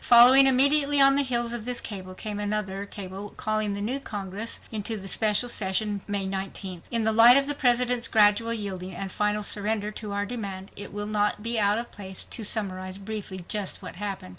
Following immediately on the heels of this cable came another cable calling the new Congress into special session May 19th. In the light of the President's gradual yielding and final surrender to our demand, it will not be out of place to summarize briefly just what happened.